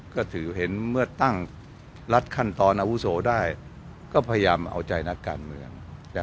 ก็ถือเห็นเมื่อตั้งรัฐขั้นตอนอาวุโสได้ก็พยายามเอาใจนักการเมือง